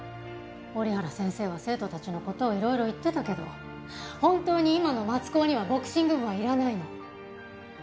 折原先生は生徒たちの事をいろいろ言ってたけど本当に今の松高にはボクシング部はいらないの。